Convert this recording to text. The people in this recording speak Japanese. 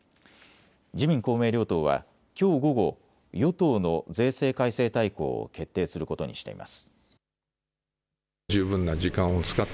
自民公明両党はきょう午後、与党の税制改正大綱を決定することにしています。